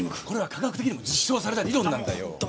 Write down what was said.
これは科学的にも実証された理論なんだよ。